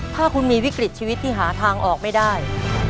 ถ้าคุณมีวิกฤตชีวิตที่หาทางออกไม่ได้